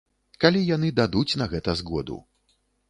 Калі яны дадуць на гэта згоду.